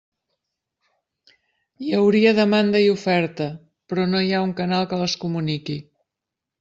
Hi hauria demanda i oferta, però no hi ha canal que les comuniqui.